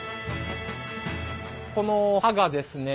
この刃がですね